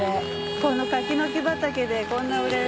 この柿の木畑でこんな熟れ熟れ。